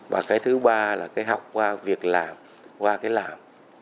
và thứ ba là học qua việc làm qua cái làm